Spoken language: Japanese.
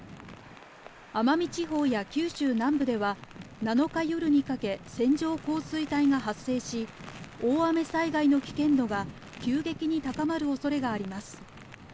奄美地方や九州南部では、７日夜にかけ線状降水帯が発生し、大雨災害の危険度が急激に高まるおそれがあります。